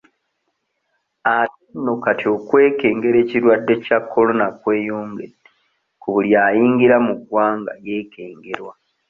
Ate nno kati okwekengera ekirwadde kya Corona kweyongedde ku buli ayingira mu ggwanga yeekengerwa.